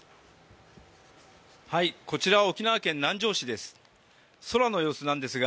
こちら沖縄県南城市です。